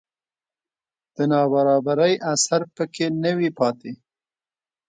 د نابرابرۍ اثر په کې نه وي پاتې